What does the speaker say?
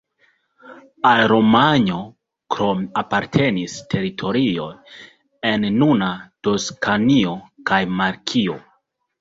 Al Romanjo krome apartenis teritorioj en nuna Toskanio kaj Markio.